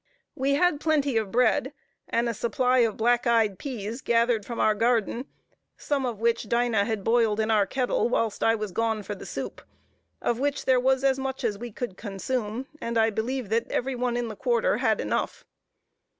We had plenty of bread, and a supply of black eyed peas, gathered from our garden, some of which Dinah had boiled in our kettle, whilst I was gone for the soup, of which there was as much as we could consume, and I believe that every one in the quarter had enough.